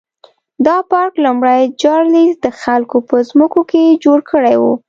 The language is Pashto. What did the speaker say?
دا پارک لومړي چارلېز د خلکو په ځمکو کې جوړ کړی و.